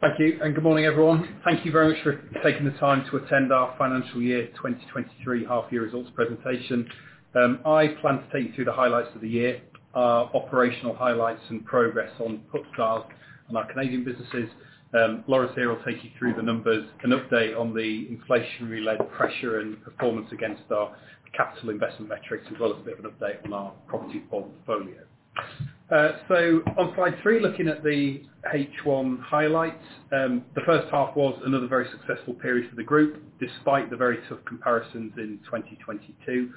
Thank you. Good morning, everyone. Thank you very much for taking the time to attend our financial year 2023 half year results presentation. I plan to take you through the highlights of the year, our operational highlights and progress on FootGolf and our Canadian businesses. Lawrence here will take you through the numbers, an update on the inflationary led pressure and performance against our capital investment metrics, as well as a bit of an update on our property portfolio. On slide three, looking at the H1 highlights, the first half was another very successful period for the group, despite the very tough comparisons in 2022.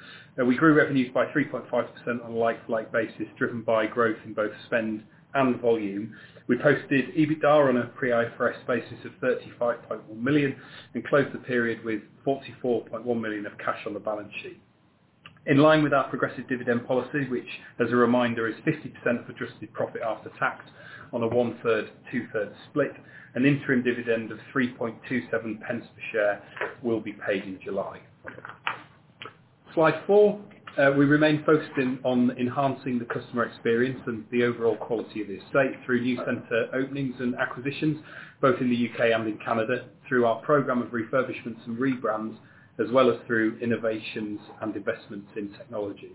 We grew revenues by 3.5% on a like-like basis, driven by growth in both spend and volume. We posted EBITDA on a pre-IFRS basis of 35.1 million, closed the period with 44.1 million of cash on the balance sheet. In line with our progressive dividend policy, which, as a reminder, is 50% of adjusted profit after tax on a 1/3, 2/3 split, an interim dividend of 3.27p per share will be paid in July. Slide four, we remain focused on enhancing the customer experience and the overall quality of the estate through new center openings and acquisitions, both in the U.K. and in Canada, through our program of refurbishments and rebrands, as well as through innovations and investments in technology.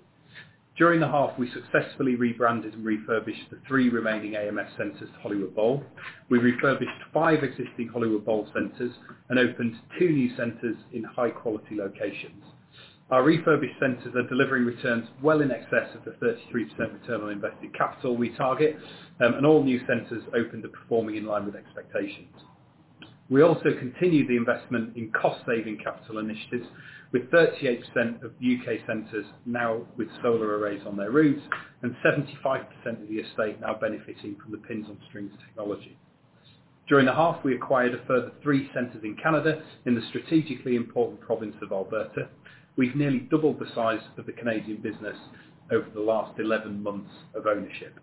During the half, we successfully rebranded and refurbished the three remaining AMF centers to Hollywood Bowl. We refurbished five existing Hollywood Bowl centers and opened two new centers in high quality locations. Our refurbished centers are delivering returns well in excess of the 33% return on invested capital we target, and all new centers opened are performing in line with expectations. We also continued the investment in cost saving capital initiatives, with 38% of U.K. centers now with solar arrays on their roofs, and 75% of the estate now benefiting from the Pins on Strings technology. During the half, we acquired a further three centers in Canada, in the strategically important province of Alberta. We've nearly doubled the size of the Canadian business over the last 11 months of ownership.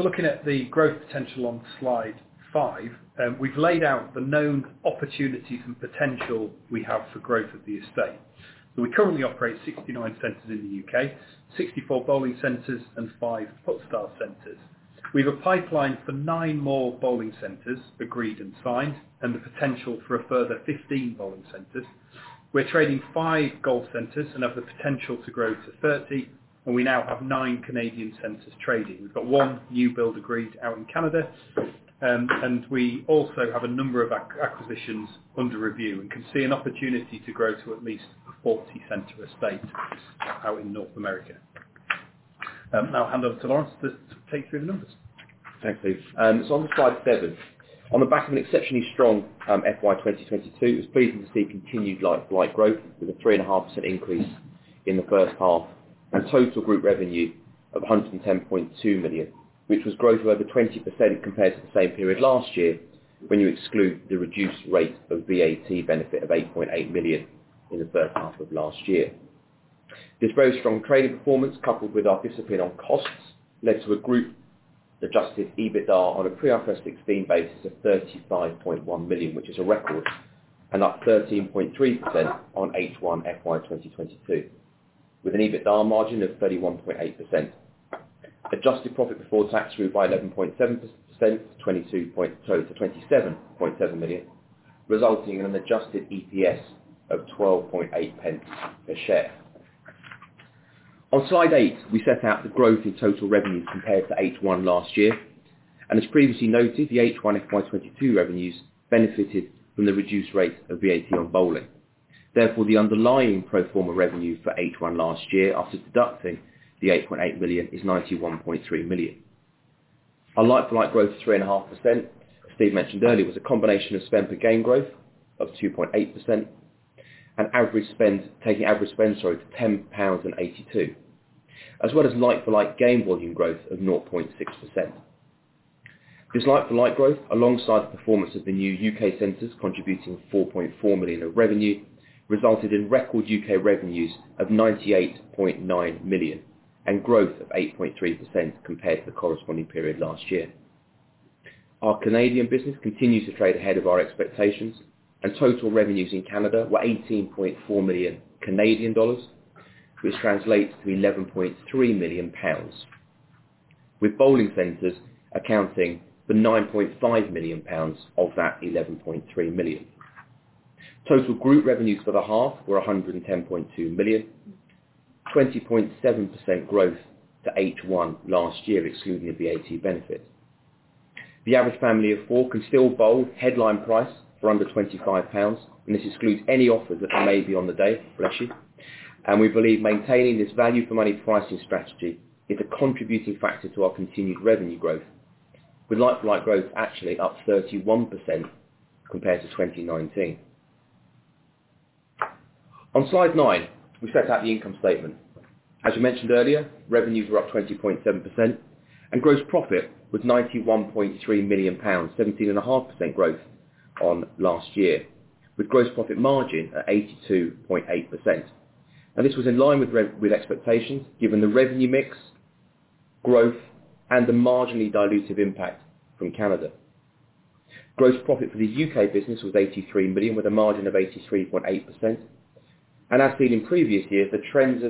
Looking at the growth potential on slide five, we've laid out the known opportunities and potential we have for growth of the estate. We currently operate 69 centers in the U.K., 64 bowling centers and five FootGolf centers. We've a pipeline for nine more bowling centers, agreed and signed, and the potential for a further 15 bowling centers. We're trading five golf centers and have the potential to grow to 30, and we now have nine Canadian centers trading. We've got one new build agreed out in Canada, and we also have a number of acquisitions under review and can see an opportunity to grow to at least a 40-center estate out in North America. Now I'll hand over to Lawrence to take you through the numbers. Thanks, Steve. On slide seven, on the back of an exceptionally strong FY 2022, it was pleasing to see continued LFL growth, with a 3.5% increase in the first half, and total group revenue of 110.2 million, which was growth over 20% compared to the same period last year, when you exclude the reduced rate of VAT benefit of 8.8 million in the first half of last year. This very strong trading performance, coupled with our discipline on costs, led to a group adjusted EBITDA on a pre-IFRS 16 basis of 35.1 million, which is a record, and up 13.3% on H1 FY 2022, with an EBITDA margin of 31.8%. Adjusted profit before tax grew by 11.7%, sorry, to 27.7 million, resulting in an adjusted EPS of 12.8p per share. On slide eight, we set out the growth in total revenue compared to H1 last year. As previously noted, the H1 FY 2022 revenues benefited from the reduced rate of VAT on bowling. Therefore, the underlying pro forma revenue for H1 last year, after deducting 8.8 million, is 91.3 million. Our like-for-like growth of 3.5%, Steve mentioned earlier, was a combination of spend per game growth of 2.8% and average spend, taking average spend, sorry, to 10.82 pounds, as well as like-for-like game volume growth of 0.6%. This like-for-like growth, alongside the performance of the new U.K. centers contributing 4.4 million in revenue, resulted in record U.K. revenues of 98.9 million and growth of 8.3% compared to the corresponding period last year. Our Canadian business continues to trade ahead of our expectations, and total revenues in Canada were 18.4 million Canadian dollars, which translates to 11.3 million pounds, with bowling centers accounting for 9.5 million pounds of that 11.3 million. Total group revenues for the half were 110.2 million, 20.7% growth to H1 last year, excluding the VAT benefit. The average family of four can still bowl headline price for under 25 pounds, this excludes any offers that there may be on the day, bless you, we believe maintaining this value for money pricing strategy is a contributing factor to our continued revenue growth. With like-for-like growth actually up 31% compared to 2019. On slide nine, we set out the income statement. As you mentioned earlier, revenues were up 20.7%, gross profit was 91.3 million pounds, 17.5% growth on last year, with gross profit margin at 82.8%. This was in line with expectations, given the revenue mix, growth, and the marginally dilutive impact from Canada. Gross profit for the U.K. business was 83 million, with a margin of 83.8%. As seen in previous years, the trend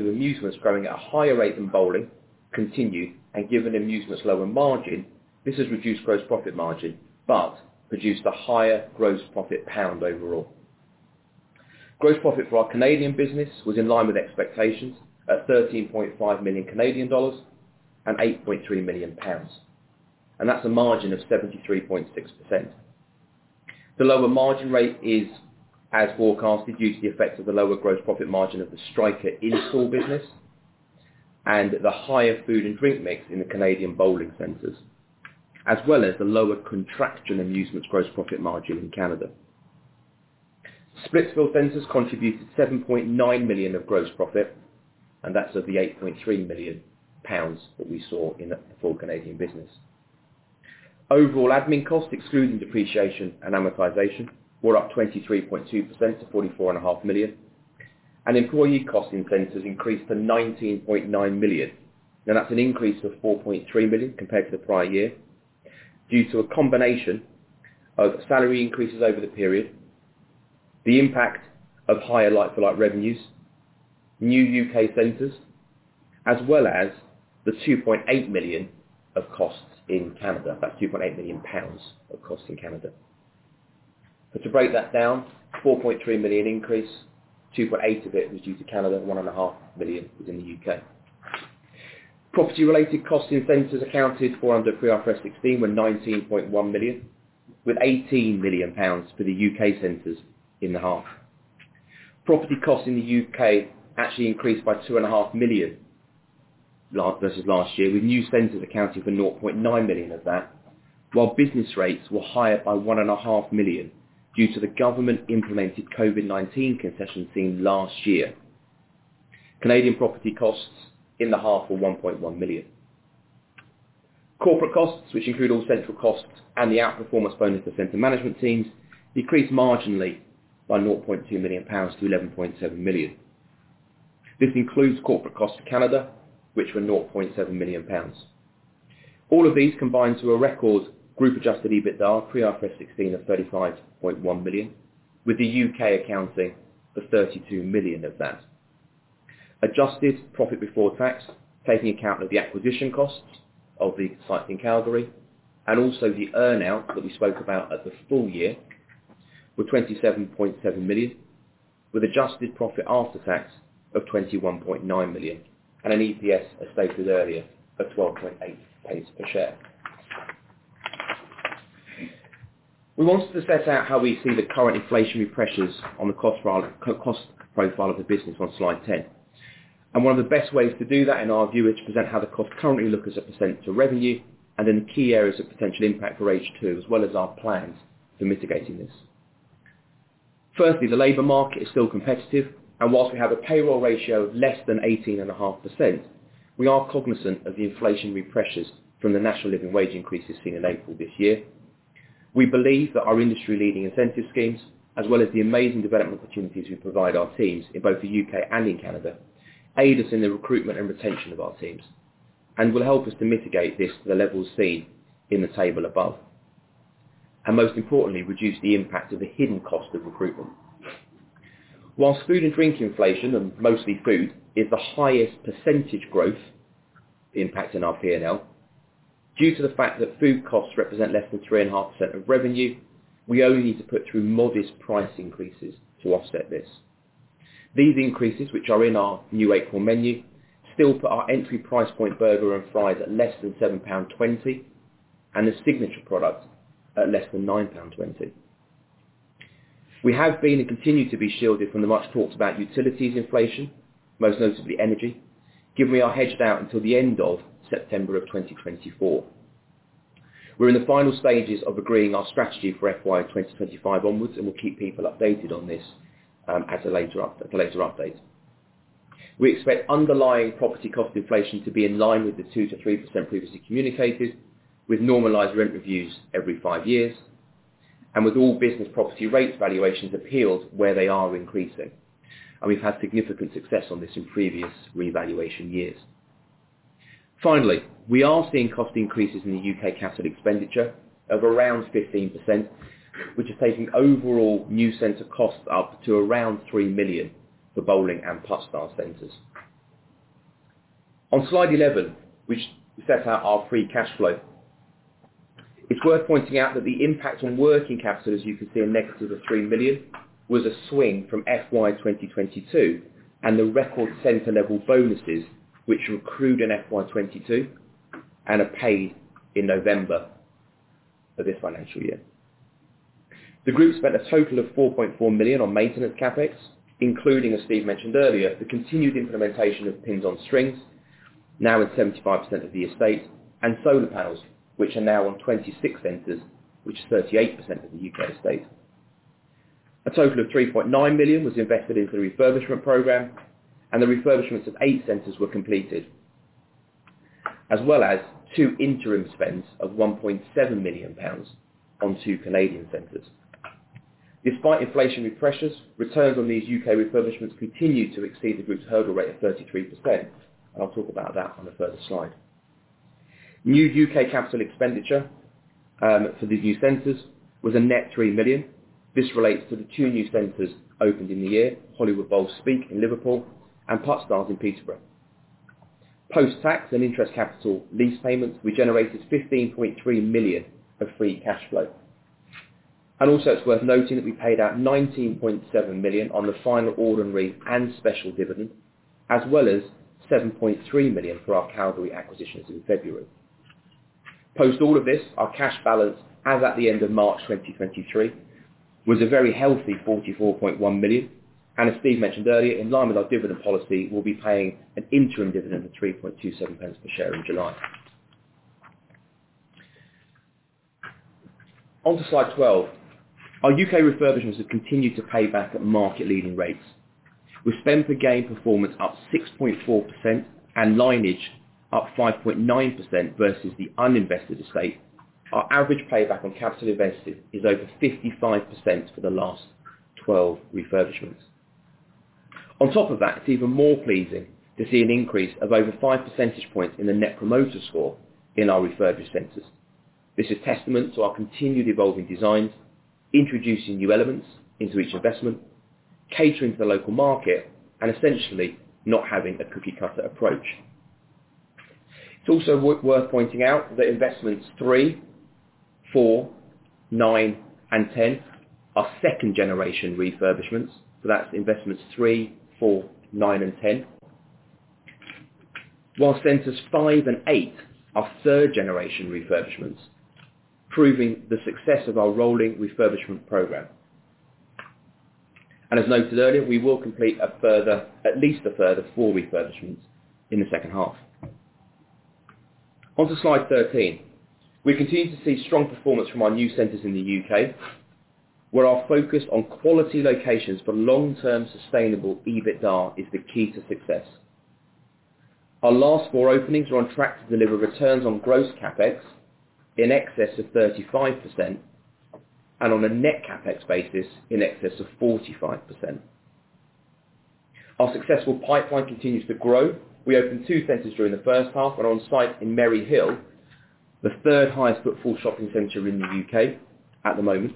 of amusements growing at a higher rate than bowling continued, given amusement's lower margin, this has reduced gross profit margin, but produced a higher gross profit pound overall. Gross profit for our Canadian business was in line with expectations at 13.5 million Canadian dollars and 8.3 million pounds, that's a margin of 73.6%. The lower margin rate is as forecasted, due to the effect of the lower gross profit margin of the Striker in-store business, and the higher food and drink mix in the Canadian bowling centers, as well as the lower contraction amusements gross profit margin in Canada. Splitsville centers contributed 7.9 million of gross profit, that's of the 8.3 million pounds that we saw in the full Canadian business. Overall, admin costs, excluding depreciation and amortization, were up 23.2% to 44 and a half million. Employee costs in centers increased to 19.9 million. That's an increase of 4.3 million compared to the prior year, due to a combination of salary increases over the period, the impact of higher like-for-like revenues, new U.K. centers, as well as the 2.8 million of costs in Canada, that's 2.8 million pounds of cost in Canada. To break that down, 4.3 million increase, 2.8 of it was due to Canada, 1.5 million was in the U.K. Property-related costs in centers accounted for under pre-IFRS 16 were 19.1 million, with 18 million pounds for the U.K. centers in the half. Property costs in the U.K. actually increased by 2.5 million last, versus last year, with new centers accounting for 0.9 million of that, while business rates were higher by 1.5 million due to the government-implemented COVID-19 concession seen last year. Canadian property costs in the half were 1.1 million. Corporate costs, which include all central costs and the outperformance bonus to center management teams, decreased marginally by 0.2 million pounds to 11.7 million. This includes corporate costs to Canada, which were 0.7 million pounds. All of these combine to a record group-adjusted EBITDA, pre-IFRS 16 of 35.1 million, with the U.K. accounting for 32 million of that. Adjusted profit before tax, taking account of the acquisition costs of the site in Calgary, and also the earn-out that we spoke about at the full year, were 27.7 million, with adjusted profit after tax of 21.9 million, and an EPS, as stated earlier, of 12.8p per share. We wanted to set out how we see the current inflationary pressures on the cost profile of the business on slide 10. One of the best ways to do that, in our view, is to present how the costs currently look as a percent to revenue, and then the key areas of potential impact for H2, as well as our plans for mitigating this. Firstly, the labor market is still competitive, and whilst we have a payroll ratio of less than 18.5%, we are cognizant of the inflationary pressures from the National Living Wage increases seen in April this year. We believe that our industry-leading incentive schemes, as well as the amazing development opportunities we provide our teams in both the U.K. and in Canada, aid us in the recruitment and retention of our teams, and will help us to mitigate this to the levels seen in the table above. Most importantly, reduce the impact of the hidden cost of recruitment. Whilst food and drink inflation, and mostly food, is the highest percentage growth impact in our PNL, due to the fact that food costs represent less than 3.5% of revenue, we only need to put through modest price increases to offset this. These increases, which are in our new April menu, still put our entry price point burger and fries at less than 7.20 pound, and the signature product at less than 9.20 pound. We have been, and continue to be shielded from the much-talked about utilities inflation, most notably energy, given we are hedged out until the end of September of 2024. We're in the final stages of agreeing our strategy for FY 2025 onwards, and we'll keep people updated on this at a later update. We expect underlying property cost inflation to be in line with the 2%-3% previously communicated, with normalized rent reviews every five years, and with all business property rates valuations appealed where they are increasing. We've had significant success on this in previous revaluation years. We are seeing cost increases in the U.K. capital expenditure of around 15%, which is taking overall new center costs up to around 3 million for bowling and Puttstars centers. On slide 11, which sets out our free cash flow, it's worth pointing out that the impact on working capital, as you can see on negative 3 million, was a swing from FY 2022 and the record center-level bonuses, which accrued in FY 2022 and are paid in November of this financial year. The group spent a total of 4.4 million on maintenance CapEx, including, as Steve mentioned earlier, the continued implementation of Pins on Strings, now at 75% of the estate, and solar panels, which are now on 26 centers, which is 38% of the U.K. estate. A total of 3.9 million was invested into the refurbishment program. The refurbishments of eight centers were completed, as well as two interim spends of 1.7 million pounds on two Canadian centers. Despite inflationary pressures, returns on these U.K. refurbishments continued to exceed the group's hurdle rate of 33%. I'll talk about that on a further slide. New U.K. capital expenditure for the new centers was a net 3 million. This relates to the two new centers opened in the year, Hollywood Bowl Speke in Liverpool and Puttstars in Peterborough. Post-tax and interest capital lease payments, we generated 15.3 million of free cash flow. Also, it's worth noting that we paid out 19.7 million on the final ordinary and special dividend, as well as 7.3 million for our Calgary acquisitions in February. Post all of this, our cash balance, as at the end of March 2023, was a very healthy 44.1 million. As Steve mentioned earlier, in line with our dividend policy, we'll be paying an interim dividend of 3.27p per share in July. On to Slide 12. Our U.K. refurbishments have continued to pay back at market-leading rates, with spend per game performance up 6.4% and lineage up 5.9% versus the uninvested estate. Our average payback on capital invested is over 55% for the last 12 refurbishments. On top of that, it's even more pleasing to see an increase of over five percentage points in the net promoter score in our refurbished centers. This is testament to our continued evolving designs, introducing new elements into each investment, catering to the local market, and essentially, not having a cookie-cutter approach. It's also worth pointing out that investments three, four, nine, and 10 are second-generation refurbishments, that's investments three, four, nine, and 10. Centers five and eight are third-generation refurbishments, proving the success of our rolling refurbishment program. As noted earlier, we will complete a further, at least a further four refurbishments in the second half. On to Slide 13. We continue to see strong performance from our new centers in the U.K., where our focus on quality locations for long-term sustainable EBITDA is the key to success. Our last four openings are on track to deliver returns on gross CapEx in excess of 35%, and on a net CapEx basis, in excess of 45%. Our successful pipeline continues to grow. We opened two centers during the first half, and on site in Merry Hill, the third highest footfall shopping center in the U.K. at the moment,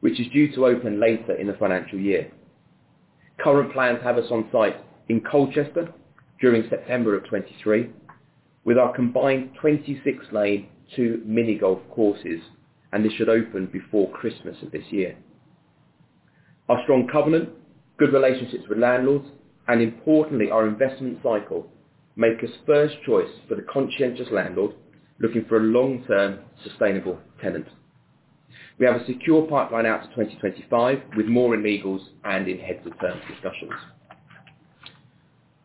which is due to open later in the financial year. Current plans have us on site in Colchester during September of 2023, with our combined 26-lane two mini golf courses, and this should open before Christmas of this year. Our strong covenant, good relationships with landlords, and importantly, our investment cycle, make us first choice for the conscientious landlord looking for a long-term, sustainable tenant. We have a secure pipeline out to 2025, with more in legals and in heads of terms discussions.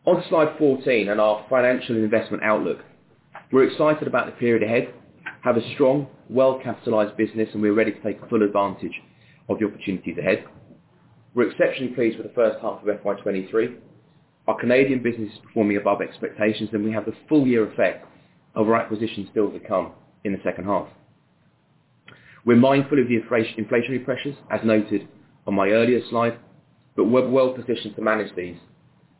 On to Slide 14 and our financial and investment outlook. We're excited about the period ahead, have a strong, well-capitalized business, and we're ready to take full advantage of the opportunities ahead. We're exceptionally pleased with the first half of FY 2023. Our Canadian business is performing above expectations, and we have the full year effect of our acquisition still to come in the second half. We're mindful of the inflationary pressures, as noted on my earlier slide, but we're well positioned to manage these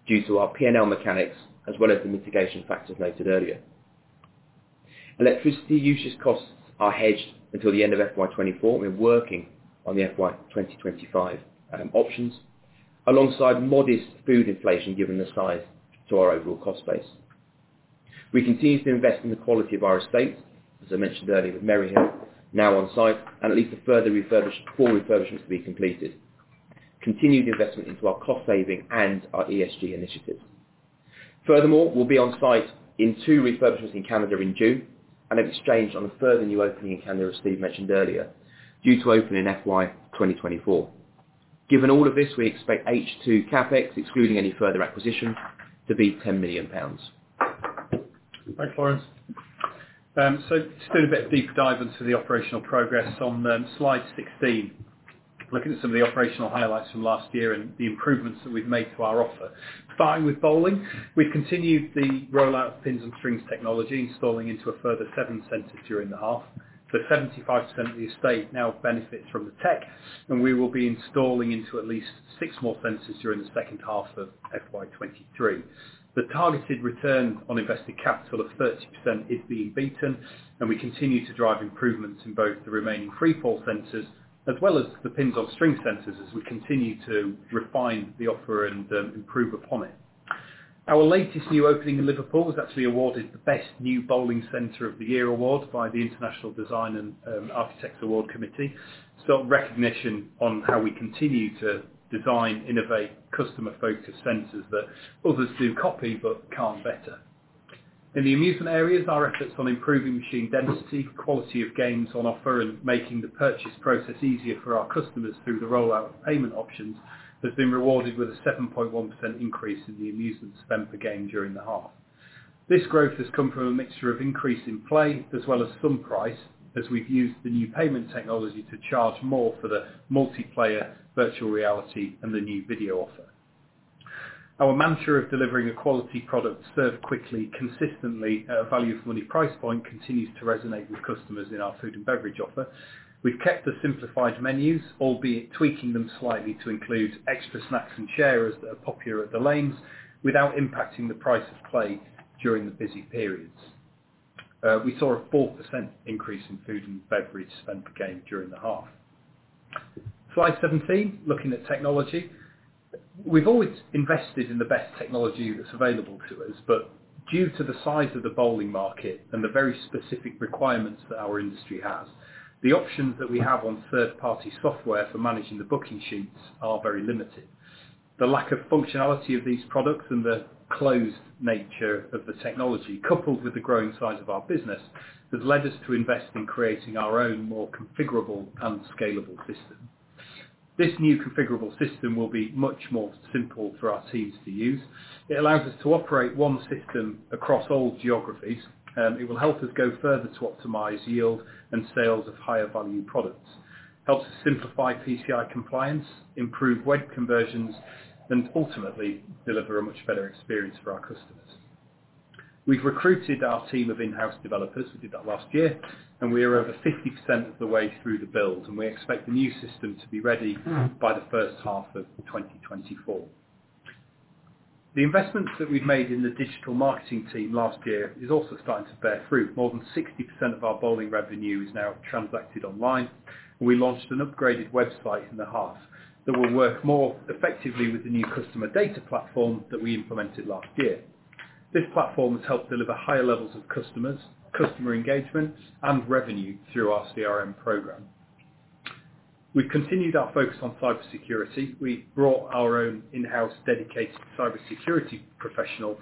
due to our PNL mechanics, as well as the mitigation factors noted earlier. Electricity usage costs are hedged until the end of FY 2024, we're working on the FY 2025 options, alongside modest food inflation, given the size to our overall cost base. We continue to invest in the quality of our estate, as I mentioned earlier, with Merry Hill now on site, and at least a further four refurbishments to be completed. Continued investment into our cost saving and our ESG initiatives. We'll be on site in two refurbishments in Canada in June, and in exchange, on a further new opening in Canada, as Steve mentioned earlier, due to open in FY 2024. Given all of this, we expect H2 CapEx, excluding any further acquisitions, to be 10 million pounds. Thanks, Lawrence. Just doing a bit of a deeper dive into the operational progress on, slide 16. Looking at some of the operational highlights from last year and the improvements that we've made to our offer. Starting with bowling, we continued the rollout of Pins on Strings technology, installing into a further seven centers during the half. 75% of the estate now benefits from the tech, and we will be installing into at least six more centers during the second half of FY 2023. The targeted return on invested capital of 30% is being beaten, and we continue to drive improvements in both the remaining free-fall centers, as well as the Pins on Strings centers as we continue to refine the offer and improve upon it. Our latest new opening in Liverpool was actually awarded the Best New Bowling Centre of the Year award by the International Design & Architecture Awards Committee, recognition on how we continue to design, innovate, customer-focused centers that others do copy but can't better. In the amusement areas, our efforts on improving machine density, quality of games on offer, and making the purchase process easier for our customers through the rollout of payment options, has been rewarded with a 7.1% increase in the amusement Spend per Game during the half. This growth has come from a mixture of increase in play, as well as some price, as we've used the new payment technology to charge more for the multiplayer virtual reality and the new video offer. Our mantra of delivering a quality product served quickly, consistently, at a value for money price point, continues to resonate with customers in our food and beverage offer. We've kept the simplified menus, albeit tweaking them slightly to include extra snacks and sharers that are popular at the lanes, without impacting the price of play during the busy periods. We saw a 4% increase in food and beverage spend per game during the half. Slide 17, looking at technology. We've always invested in the best technology that's available to us, but due to the size of the bowling market and the very specific requirements that our industry has, the options that we have on third-party software for managing the booking sheets are very limited. The lack of functionality of these products and the closed nature of the technology, coupled with the growing size of our business, has led us to invest in creating our own more configurable and scalable system. This new configurable system will be much more simple for our teams to use. It allows us to operate one system across all geographies, and it will help us go further to optimize yield and sales of higher value products, helps us simplify PCI compliance, improve web conversions, and ultimately, deliver a much better experience for our customers. We've recruited our team of in-house developers, we did that last year, and we are over 50% of the way through the build, and we expect the new system to be ready by the first half of 2024. The investments that we've made in the digital marketing team last year is also starting to bear fruit. More than 60% of our bowling revenue is now transacted online. We launched an upgraded website in the half, that will work more effectively with the new customer data platform that we implemented last year. This platform has helped deliver higher levels of customers, customer engagement, and revenue through our CRM program. We've continued our focus on cybersecurity. We've brought our own in-house dedicated cybersecurity professional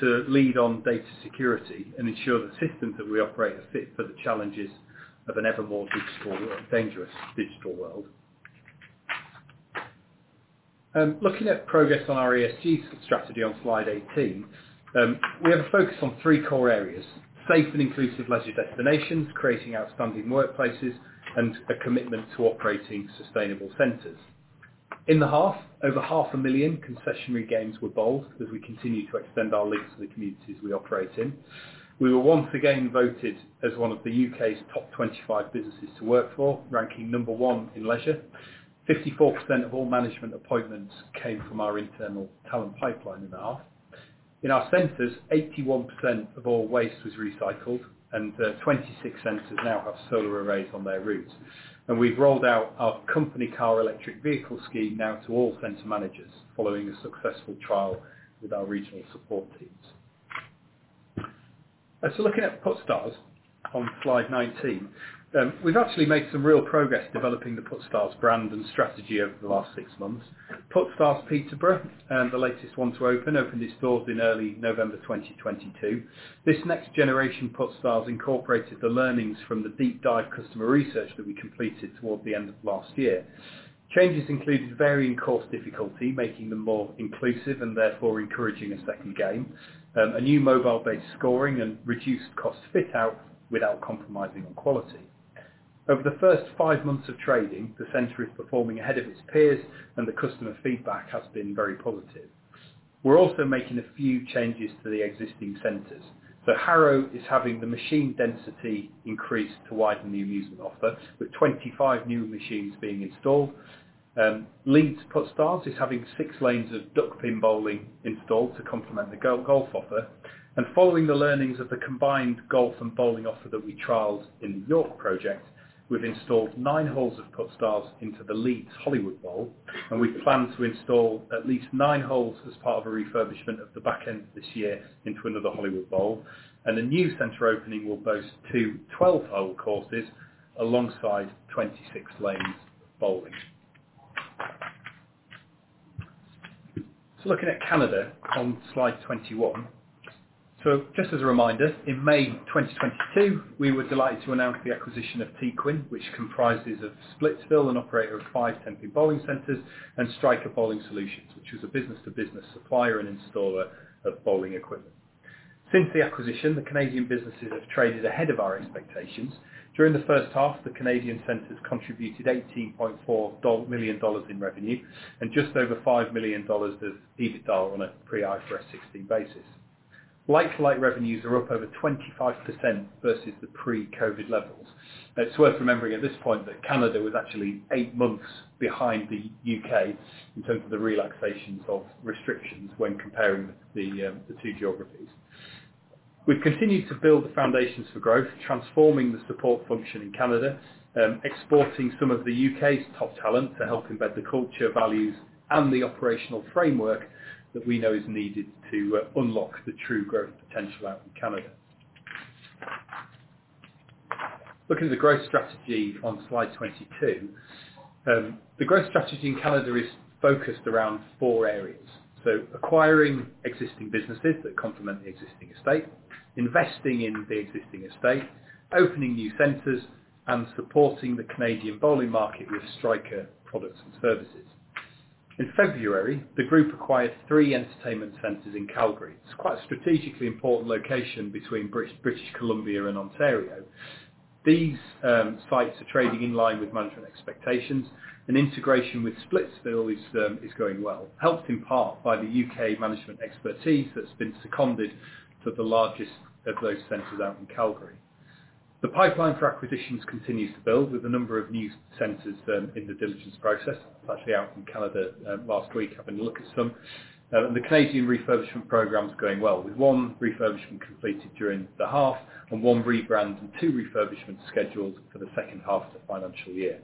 to lead on data security and ensure the systems that we operate are fit for the challenges of an ever more digital world-- dangerous digital world. Looking at progress on our ESG strategy on slide 18, we have a focus on three core areas: safe and inclusive leisure destinations, creating outstanding workplaces, and a commitment to operating sustainable centers. In the half, over half a million concessionary games were bowled as we continue to extend our links to the communities we operate in. We were once again voted as one of the UK's top 25 businesses to work for, ranking number one in leisure. 54% of all management appointments came from our internal talent pipeline in the half. In our centers, 81% of all waste was recycled, and 26 centers now have solar arrays on their roofs. We've rolled out our company car electric vehicle scheme now to all center managers, following a successful trial with our regional support teams. Looking at Puttstars on slide 19, we've actually made some real progress developing the Puttstars brand and strategy over the last six months. Puttstars Peterborough, the latest one to open, opened its doors in early November 2022. This next generation Puttstars incorporated the learnings from the deep dive customer research that we completed towards the end of last year. Changes included varying course difficulty, making them more inclusive and therefore encouraging a second game, a new mobile-based scoring and reduced cost fit-out without compromising on quality. Over the first five months of trading, the center is performing ahead of its peers, and the customer feedback has been very positive. We're also making a few changes to the existing centers. Harrow is having the machine density increased to widen the amusement offer, with 25 new machines being installed. Leeds Puttstars is having six lanes of duckpin bowling installed to complement the golf offer. Following the learnings of the combined golf and bowling offer that we trialed in the York project, we've installed nine holes of Puttstars into the Leeds Hollywood Bowl. We plan to install at least nine holes as part of a refurbishment of the back end of this year into another Hollywood Bowl. A new center opening will boast two 12-hole courses alongside 26 lanes of bowling. Looking at Canada on slide 21. Just as a reminder, in May 2022, we were delighted to announce the acquisition of Teaquinn, which comprises of Splitsville, an operator of five 10-pin bowling centers, and Striker Bowling Solutions, which is a business-to-business supplier and installer of bowling equipment. Since the acquisition, the Canadian businesses have traded ahead of our expectations. During the first half, the Canadian centers contributed 18.4 million dollars in revenue, and just over 5 million dollars of EBITDA on a pre-IFRS 16 basis. Like-to-like revenues are up over 25% versus the pre-COVID levels. It's worth remembering at this point that Canada was actually eight months behind the U.K. in terms of the relaxations of restrictions when comparing the two geographies. We've continued to build the foundations for growth, transforming the support function in Canada, exporting some of the UK's top talent to help embed the culture, values, and the operational framework that we know is needed to unlock the true growth potential out in Canada. Looking at the growth strategy on slide 22. The growth strategy in Canada is focused around four areas. Acquiring existing businesses that complement the existing estate, investing in the existing estate, opening new centers, and supporting the Canadian bowling market with Striker products and services. In February, the group acquired three entertainment centers in Calgary. It's quite a strategically important location between British Columbia and Ontario. These sites are trading in line with management expectations, and integration with Splitsville is going well. Helped in part by the U.K. management expertise that's been seconded to the largest of those centers out in Calgary. The pipeline for acquisitions continues to build with a number of new centers in the diligence process. I was actually out in Canada last week, having a look at some. The Canadian refurbishment program is going well, with one refurbishment completed during the half and one rebrand and two refurbishments scheduled for the second half of the financial year.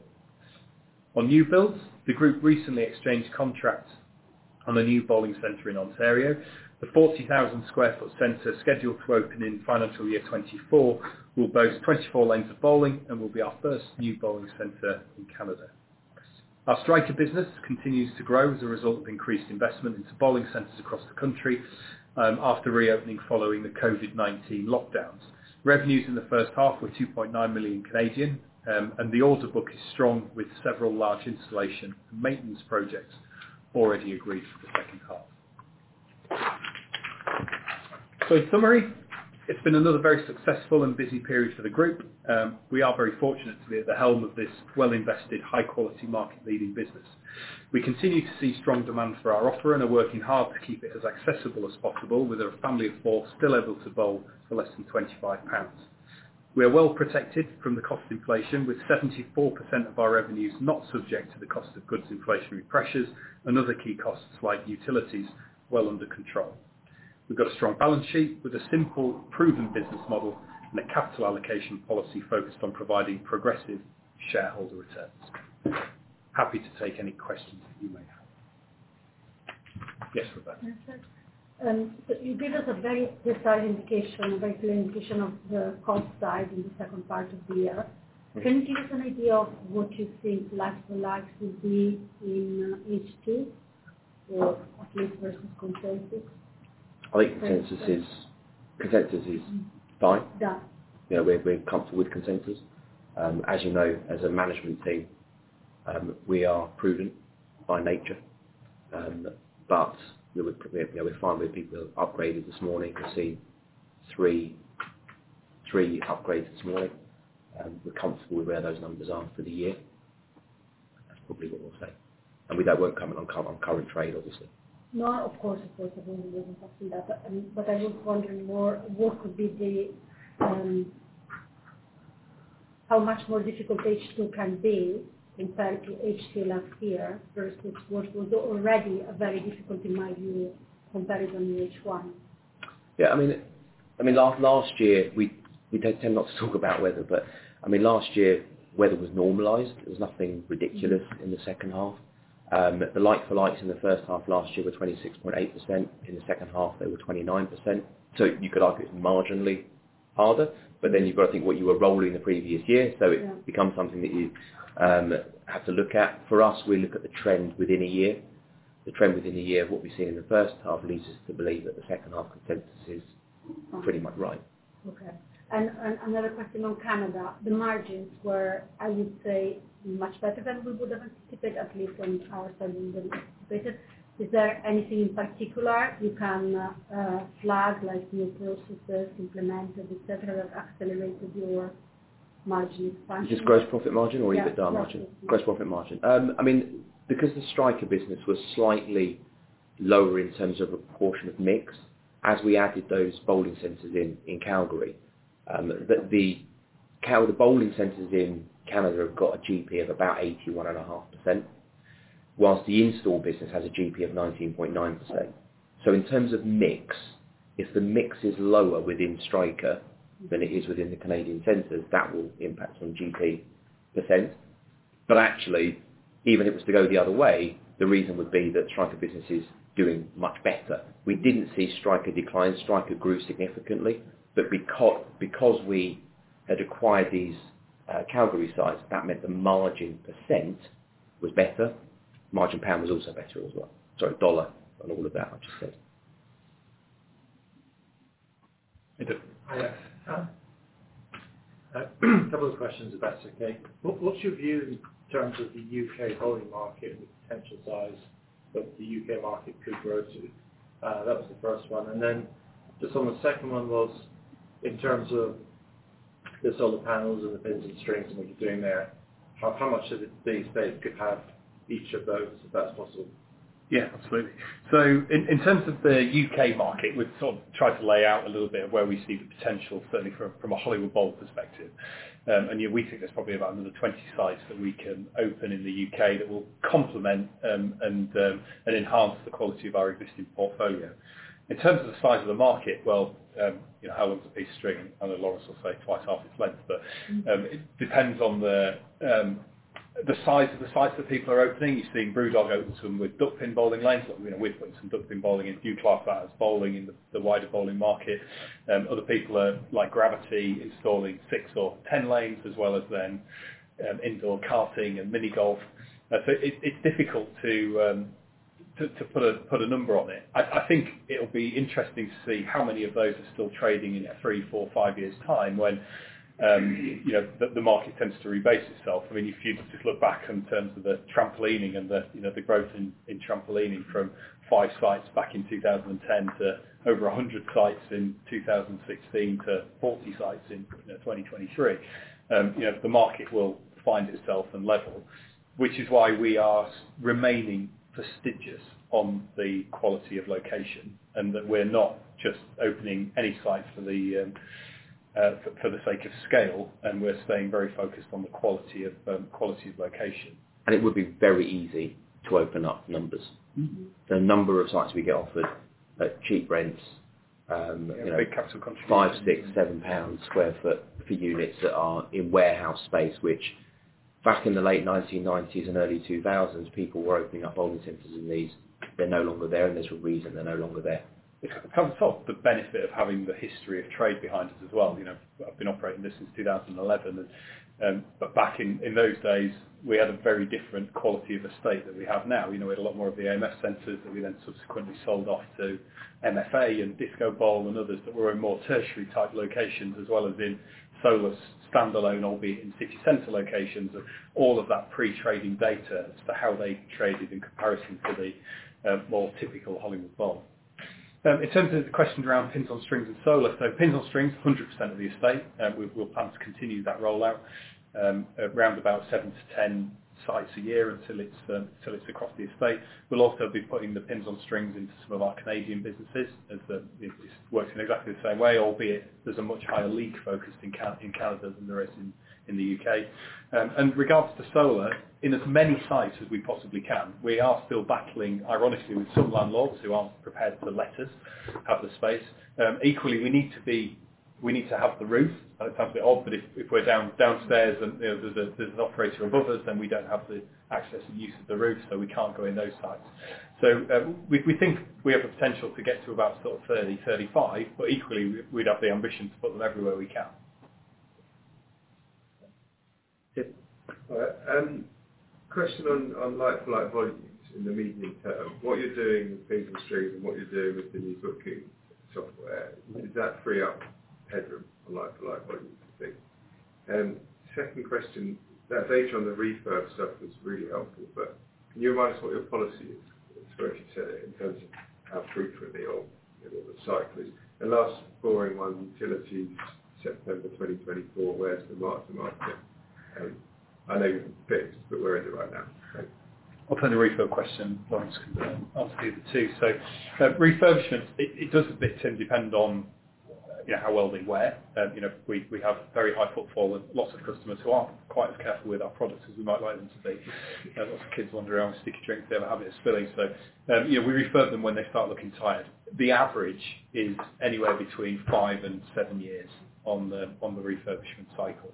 On new builds, the group recently exchanged contracts on a new bowling center in Ontario. The 40,000 sq ft center, scheduled to open in financial year 2024, will boast 24 lanes of bowling and will be our first new bowling center in Canada. Our Striker business continues to grow as a result of increased investment into bowling centers across the country, after reopening following the COVID-19 lockdowns. Revenues in the first half were 2.9 million, and the order book is strong with several large installation and maintenance projects already agreed for the second half. In summary, it's been another very successful and busy period for the group. We are very fortunate to be at the helm of this well-invested, high quality market leading business. We continue to see strong demand for our offer and are working hard to keep it as accessible as possible, with a family of four still able to bowl for less than 25 pounds. We are well protected from the cost inflation, with 74% of our revenues not subject to the cost of goods inflationary pressures, and other key costs, like utilities, well under control. We've got a strong balance sheet with a simple, proven business model and a capital allocation policy focused on providing progressive shareholder returns. Happy to take any questions that you may have. Yes, Roberta? You gave us a very precise indication, a very clear indication of the cost side in the second part of the year. Yeah. Can you give us an idea of what you think like-for-likes will be in H2, or at least versus consensus? I think consensus is fine. Yeah. You know, we're comfortable with consensus. As you know, as a management team, we are prudent by nature. But you know, we're fine with people who have upgraded this morning. We've seen three upgrades this morning. We're comfortable with where those numbers are for the year. That's probably what we'll say. We don't work on current trade, obviously. No, of course, of course, we wouldn't consider that. What I was wondering more, How much more difficult H2 can be compared to H2 last year, versus what was already a very difficult, in my view, comparison, H1? Yeah, I mean, last year, we tend not to talk about weather, but last year, weather was normalized. There was nothing ridiculous in the second half. The like-for-likes in the first half last year were 26.8%. In the second half, they were 29%. You could argue it's marginally harder, but then you've got to think what you were rolling the previous year. Yeah. It becomes something that you have to look at. For us, we look at the trend within a year. The trend within a year of what we see in the first half leads us to believe that the second half consensus is pretty much right. Okay. Another question on Canada. The margins were, I would say, much better than we would have anticipated, at least from our side of the business. Is there anything in particular you can flag, like new processes implemented, et cetera, that accelerated your margin expansion? Just gross profit margin or EBITDA margin? Yeah, gross profit. Gross profit margin. I mean, because the Striker business was slightly lower in terms of a portion of mix, as we added those bowling centers in Calgary. The bowling centers in Canada have got a GP of about 81.5%, whilst the install business has a GP of 19.9%. In terms of mix, if the mix is lower within Striker than it is within the Canadian centers, that will impact on GP percent. Actually, even if it was to go the other way, the reason would be that Striker business is doing much better. We didn't see Striker decline. Striker grew significantly, because we had acquired these Calgary sites, that meant the margin percent was better. Margin pound was also better as well. Sorry, dollar on all of that, I just said. Hi there. A couple of questions, if that's okay. What's your view in terms of the U.K. bowling market and the potential size that the U.K. market could grow to? That was the first one, and then just on the second one was, in terms of the solar panels and the pins and strings and what you're doing there, how much of the stake could have each of those, if that's possible? Yeah, absolutely. In, in terms of the U.K. market, we've sort of tried to lay out a little bit of where we see the potential, certainly from a Hollywood Bowl perspective. Yeah, we think there's probably about another 20 sites that we can open in the U.K. that will complement and enhance the quality of our existing portfolio. In terms of the size of the market, well, you know, how long is a piece of string? I know Lawrence will say twice half its length, it depends on the size of the sites that people are opening. You're seeing BrewDog open some with duckpin bowling lanes. You know, we've put some duckpin bowling in, you class that as bowling in the wider bowling market. Other people are, like Gravity, installing six or 10 lanes, as well as then, indoor karting and mini golf. It's difficult to put a number on it, I think it'll be interesting to see how many of those are still trading in three, four, five years' time, when, you know, the market tends to rebase itself. I mean, if you just look back in terms of the trampolining and the, you know, the growth in trampolining from five sites back in 2010 to over 100 sites in 2016 to 40 sites in, you know, 2023. you know, the market will find itself and level, which is why we are remaining fastidious on the quality of location, and that we're not just opening any site for the sake of scale, and we're staying very focused on the quality of location. It would be very easy to open up numbers. Mm-hmm. The number of sites we get offered at cheap rents, you know. Big capital contribution. 5, 6, 7 pounds, square feet for units that are in warehouse space, which back in the late 1990s and early 2000s, people were opening up bowling centers in these. They're no longer there, and there's a reason they're no longer there. It comes off the benefit of having the history of trade behind us as well. You know, I've been operating this since 2011. Back in those days, we had a very different quality of estate than we have now. We had a lot more of the AMF centers that we then subsequently sold off to MFA and Disco Bowl and others, that were in more tertiary type locations, as well as in solo, standalone, albeit in 50 center locations, and all of that pre-trading data as to how they traded in comparison to the more typical Hollywood Bowl. In terms of the questions around Pins on Strings and solar. Pins on Strings, 100% of the estate, we'll plan to continue that rollout, around about seven to 10 sites a year until it's across the estate. We'll also be putting the Pins on Strings into some of our Canadian businesses, as it works in exactly the same way, albeit there's a much higher leak focus in Canada than there is in the U.K. Regards to solar, in as many sites as we possibly can. We are still battling, ironically, with some landlords who aren't prepared to let us have the space. Equally, we need to have the roof. It sounds a bit odd, but if we're down, downstairs and, you know, there's a, there's an operator above us, then we don't have the access and use of the roof, so we can't go in those sites. We, we think we have the potential to get to about sort of 30, 35, but equally, we'd have the ambition to put them everywhere we can. Yes. Question on like-for-like volumes in the medium term. What you're doing with Pins on Strings and what you're doing with the new booking software, does that free up headroom for like-for-like volumes? Second question, that data on the refurb stuff was really helpful, but can you remind us what your policy is, in terms of how frequently or the cycles? Last boring one, utility, September 2024, where's the market? I know you can fix, but we're in it right now. I'll turn the refurb question once, and answer the other two. Refurbishment, it does a bit, Tim, depend on, you know, how well they wear. You know, we have very high footfall and lots of customers who aren't quite as careful with our products as we might like them to be. Lots of kids wandering around with sticky drinks, they have a habit of spilling. Yeah, we refurb them when they start looking tired. The average is anywhere between five and seven years on the refurbishment cycle,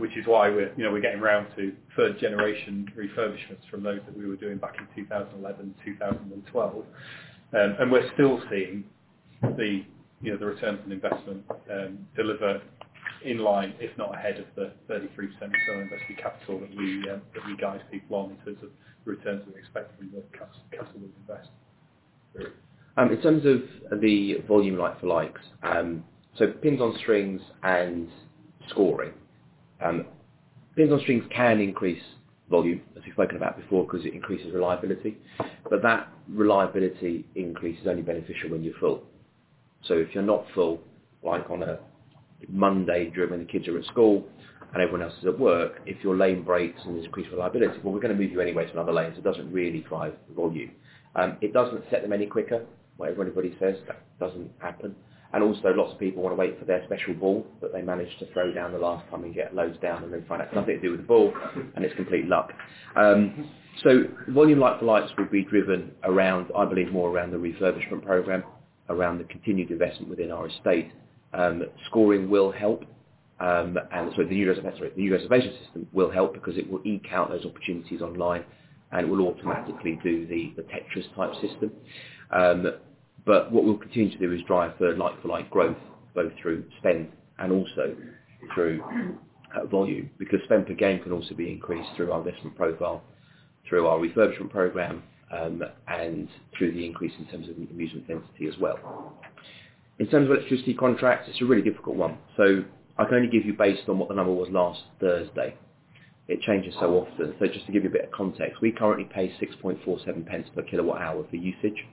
which is why, you know, we're getting around to third generation refurbishments from those that we were doing back in 2011, 2012. We're still seeing the, you know, the returns on investment deliver in line, if not ahead of the 33% return on invested capital that we that you guys keep on in terms of returns we expect from your customer investment. In terms of the volume like-for-likes, Pins on Strings and scoring. Pins on Strings can increase volume, as we've spoken about before, 'cause it increases reliability, but that reliability increase is only beneficial when you're full. If you're not full, like on a Monday during when the kids are at school and everyone else is at work, if your lane breaks and there's increased reliability, we're gonna move you anyway to another lane, so it doesn't really drive volume. It doesn't set them any quicker, whatever anybody says, that doesn't happen. Lots of people want to wait for their special ball, that they managed to throw down the last time and get loads down, and then find out it's nothing to do with the ball, and it's complete luck. Volume like for likes will be driven around, I believe, more around the refurbishment program, around the continued investment within our estate. Scoring will help, and the new reservation system will help because it will e-count those opportunities online, and it will automatically do the Tetris-type system. What we'll continue to do is drive the like-for-like growth, both through spend and also through volume, because spend per game can also be increased through our investment profile, through our refurbishment program, and through the increase in terms of amusement density as well. In terms of electricity contracts, it's a really difficult one, so I can only give you based on what the number was last Thursday. It changes so often. Just to give you a bit of context, we currently pay 0.0647 per kWh for usage.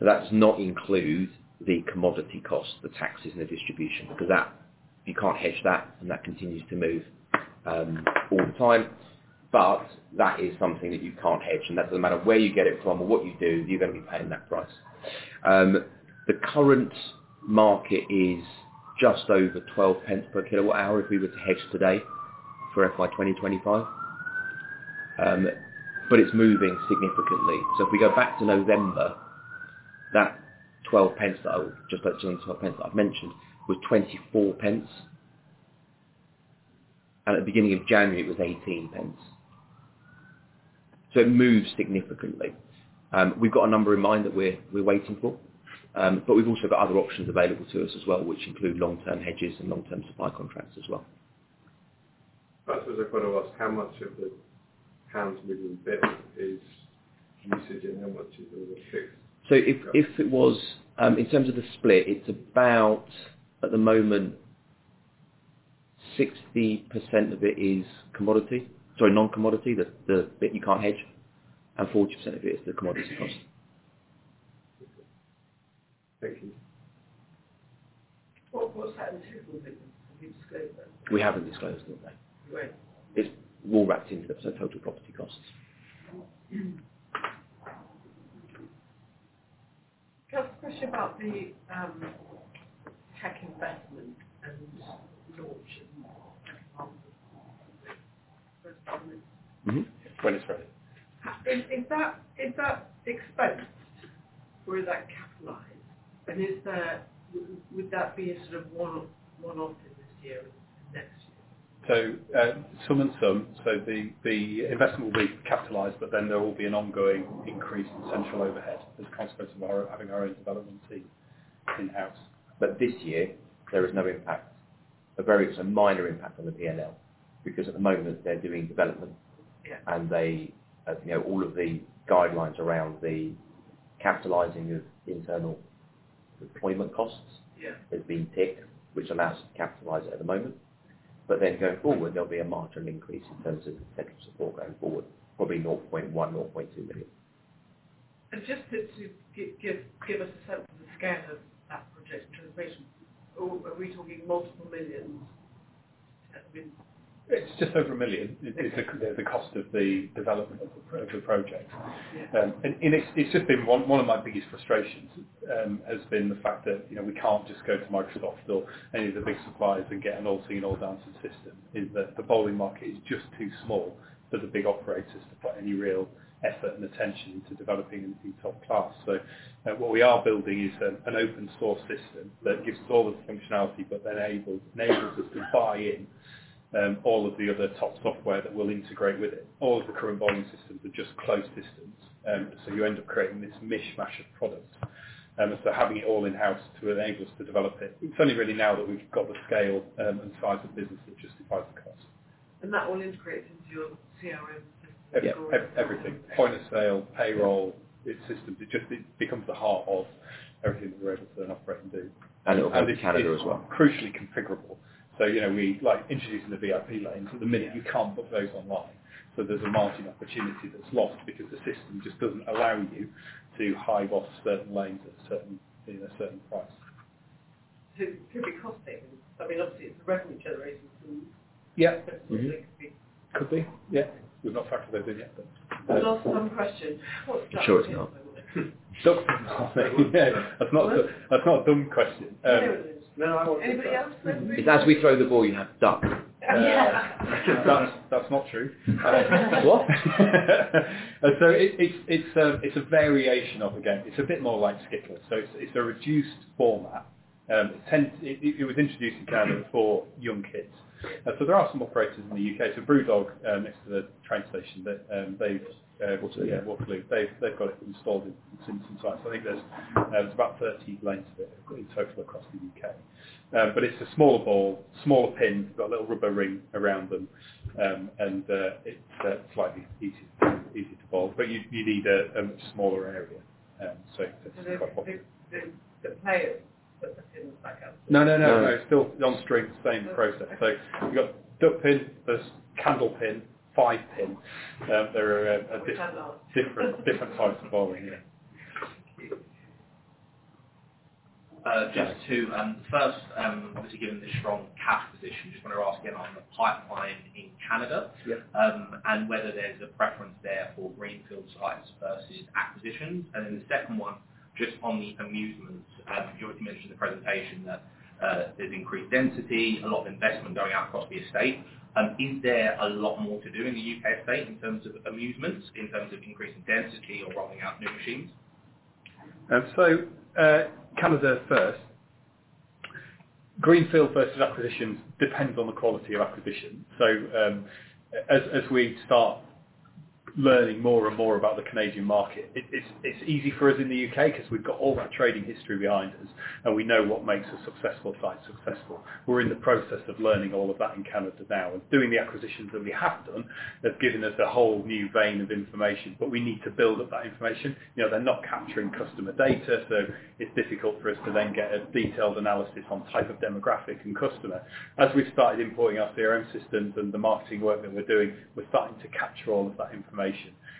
That does not include the commodity costs, the taxes, and the distribution, 'cause you can't hedge that, and that continues to move all the time. That is something that you can't hedge, and that doesn't matter where you get it from or what you do, you're going to be paying that price. The current market is just over 0.12 per kWh, if we were to hedge today for FY 2025. But it's moving significantly. If we go back to November, that 0.12, just that GBP 0.12 that I've mentioned, was 0.24, and at the beginning of January, it was 0.18. It moves significantly. We've got a number in mind that we're waiting for, but we've also got other options available to us as well, which include long-term hedges and long-term supply contracts as well. Perhaps I was going to ask, how much of the pounds million bit is usage and how much is it fixed? If it was, in terms of the split, it's about, at the moment, 60% of it is commodity. Sorry, non-commodity, the bit you can't hedge, and 40% of it is the commodity costs. Thank you. Well, what's that little bit? Have you disclosed that? We haven't disclosed it, no. Great. It's all wrapped into it, so total property costs. Can I ask a question about the, tech investment and launch and? Mm-hmm. When it's ready. Is that exposed, or is that capitalized? Is that, would that be a sort of one-off in this year, next year? Some and some. The, the investment will be capitalized, but then there will be an ongoing increase in central overhead as a consequence of our, having our own development team in-house. This year, there is no impact. It's a minor impact on the PNL, because at the moment, they're doing development. Yeah. They, as you know, all of the guidelines around the capitalizing of internal deployment costs. Yeah. -has been picked, which allows us to capitalize it at the moment. Going forward, there'll be a marginal increase in terms of technical support going forward. Probably 0.1 million-0.2 million. Just to give us a sense of the scale of that project in terms of base. Are we talking multiple millions? It's just over 1 million. The cost of the development of the project. Yeah. It's just been one of my biggest frustrations has been the fact that, you know, we can't just go to Microsoft or any of the big suppliers and get an all seen, all done system. Is that the bowling market is just too small for the big operators to put any real effort and attention into developing anything top class. What we are building is an open source system that gives us all the functionality, but then enables us to buy in all of the other top software that will integrate with it. All of the current bowling systems are just closed systems, so you end up creating this mishmash of products. Having it all in-house to enable us to develop it's only really now that we've got the scale and size of business, which just defies the cost. That all integrates into your CRM system? Yep. Everything. Point of sale, payroll, its systems. It just becomes the heart of everything that we're able to then operate and do. It will work in Canada as well. It's crucially configurable. You know, we like introducing the VIP lanes. At the minute, you can't put those online, so there's a marketing opportunity that's lost because the system just doesn't allow you to hive off certain lanes at certain, in a certain price. It could be costly. I mean, obviously, it's revenue generating. Yeah. Mm-hmm. Could be, yeah. We've not factored that in yet, but- Last dumb question. Sure it's not. That's not, that's not a dumb question. No, it is. No, I want- Anybody else? It's as we throw the ball, you know, duck. Yeah. That's not true. What? It's a variation of a game. It's a bit more like skittles. It's a reduced format. It was introduced for young kids. There are some operators in the UK, BrewDog, next to the train station, that Waterloo. Yeah, Waterloo. They've got it installed in some sites. I think there's about 30 lanes of it in total across the U.K.. It's a smaller ball, smaller pins, got a little rubber ring around them, and it's slightly easier to bowl, but you'd need a much smaller area. It's quite possible. The players put the pins back up? No, no. No. It's still on string, same process. You got duckpin, there's candlepin, five-pin. There are. Candle. different types of bowling, yeah. Just to, first, obviously, given the strong cash position, just want to ask again on the pipeline in Canada. Yeah. Whether there's a preference there for greenfield sites versus acquisitions. Then the second one, just on the amusements. You already mentioned in the presentation that there's increased density, a lot of investment going out across the estate. Is there a lot more to do in the U.K. estate in terms of amusements, in terms of increasing density or rolling out new machines? Canada first. Greenfield versus acquisitions depends on the quality of acquisition. As we start learning more and more about the Canadian market, it's easy for us in the U.K. because we've got all that trading history behind us, and we know what makes a successful site successful. We're in the process of learning all of that in Canada now. Doing the acquisitions that we have done, have given us a whole new vein of information. We need to build up that information. You know, they're not capturing customer data. It's difficult for us to then get a detailed analysis on type of demographic and customer. As we've started importing our CRM systems and the marketing work that we're doing, we're starting to capture all of that information,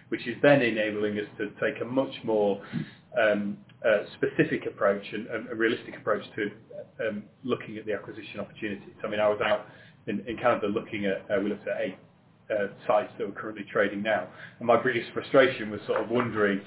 which is then enabling us to take a much more specific approach and a realistic approach to looking at the acquisition opportunities. I mean, I was out in Canada, looking at, we looked at eight sites that were currently trading now. My biggest frustration was sort of wondering,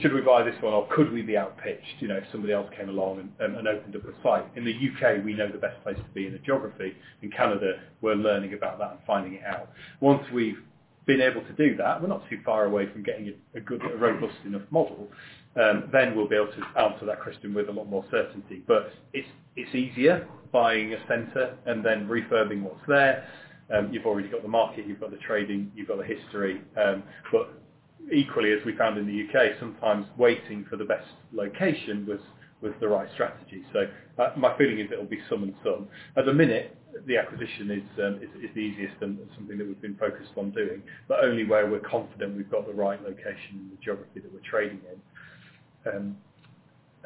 should we buy this one, or could we be outpitched, you know, if somebody else came along and opened up a site? In the U.K., we know the best place to be in the geography. In Canada, we're learning about that and finding it out. Once we've been able to do that, we're not too far away from getting a good, a robust enough model, then we'll be able to answer that question with a lot more certainty. It's, it's easier buying a center and then refurbing what's there. You've already got the market, you've got the trading, you've got the history. Equally, as we found in the U.K., sometimes waiting for the best location was the right strategy. My feeling is that it will be some and some. At the minute, the acquisition is the easiest and something that we've been focused on doing, but only where we're confident we've got the right location and the geography that we're trading in.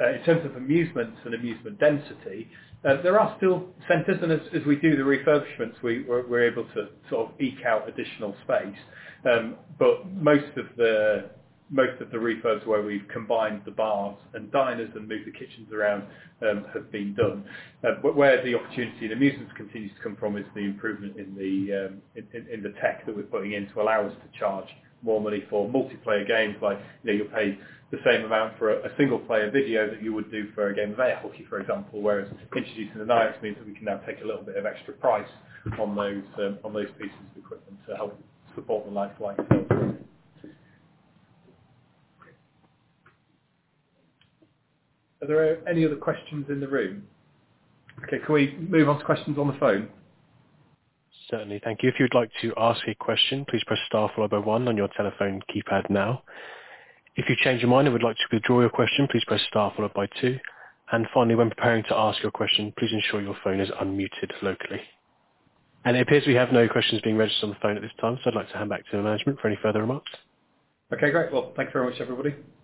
In terms of amusements and amusement density, there are still centers, and as we do the refurbishments, we're able to sort of eke out additional space. Most of the refurbs where we've combined the bars and diners and moved the kitchens around, have been done. Where the opportunity and amusements continues to come from is the improvement in the tech that we're putting in to allow us to charge more money for multiplayer games. Like, you know, you'll pay the same amount for a single player video that you would do for a game of air hockey, for example. Whereas introducing the nights means that we can now take a little bit of extra price on those on those pieces of equipment to help support the nightlife. Are there any other questions in the room? Okay, can we move on to questions on the phone? Certainly. Thank you. If you'd like to ask a question, please press star followed by one on your telephone keypad now. If you change your mind and would like to withdraw your question, please press star followed by two. Finally, when preparing to ask your question, please ensure your phone is unmuted locally. It appears we have no questions being registered on the phone at this time, so I'd like to hand back to the management for any further remarks. Okay, great. Well, thank you very much, everybody.